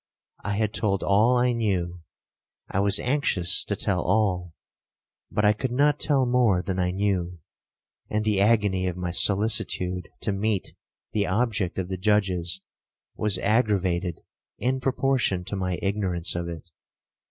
I had told all I knew, I was anxious to tell all, but I could not tell more than I knew, and the agony of my solicitude to meet the object of the judges, was aggravated in proportion to my ignorance of it.